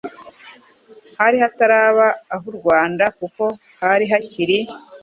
hari hataraba ah'u Rwanda kuko hari hakiri